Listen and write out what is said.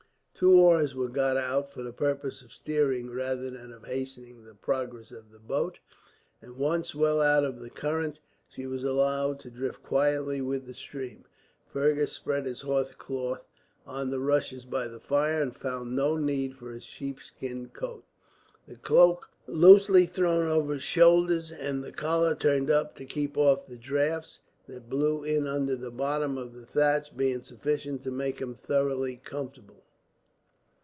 Two oars were got out, for the purpose of steering rather than of hastening the progress of the boat; and once well out in the current, she was allowed to drift quietly with the stream. Fergus spread his horse cloth on the rushes by the fire, and found no need for his sheepskin coat; the cloak, loosely thrown over his shoulders and the collar turned up, to keep off the draughts that blew in under the bottom of the thatch, being sufficient to make him thoroughly comfortable.